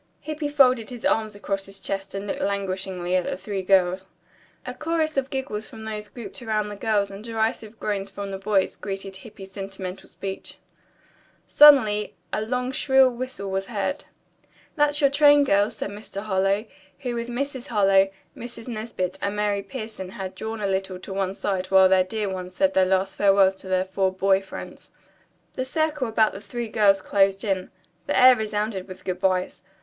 Hippy folded his arms across his chest and looked languishingly at the three girls. A chorus of giggles from those grouped around the girls and derisive groans from the boys greeted Hippy's sentimental speech. Suddenly a long, shrill whistle was heard. "That's your train, girls," said Mr. Harlowe, who with Mrs. Harlowe, Mrs. Nesbit and Mary Pierson had drawn a little to one side while their dear ones said their last farewells to their four boy friends. The circle about the three girls closed in. The air resounded with good byes.